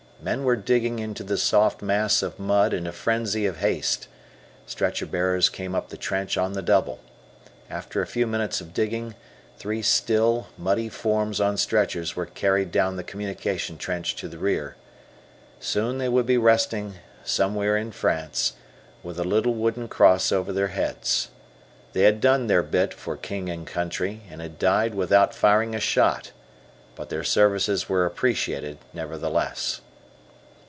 Men were digging into the soft mass of mud in a frenzy of haste. Stretcher bearers came up the trench on the double. After a few minutes of digging, three still, muddy forms on stretchers were carried down the communication trench to the rear. Soon they would be resting "somewhere in France," with a little wooden cross over their heads. They had done their bit for King and Country, had died without firing a shot, but their services were appreciated, nevertheless.